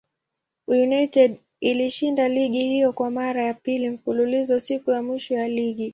United ilishinda ligi hiyo kwa mara ya pili mfululizo siku ya mwisho ya ligi.